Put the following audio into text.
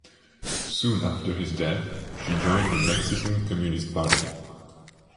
Soon after his death, she joined the Mexican Communist Party.